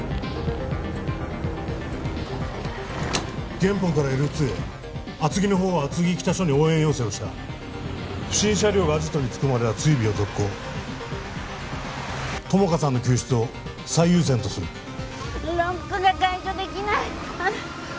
ゲンポンからＬ２へ厚木の方は厚木北署に応援要請をした不審車両がアジトに着くまでは追尾を続行友果さんの救出を最優先とするロックが解除できないあっ